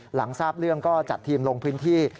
หลังทราบเรื่องก็จัดทีมลงพื้นที่